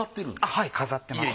はい飾ってます。